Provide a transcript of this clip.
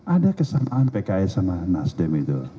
ada kesamaan pks sama nasdem itu